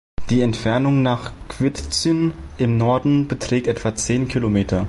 Die Entfernung nach Kwidzyn im Norden beträgt etwa zehn Kilometer.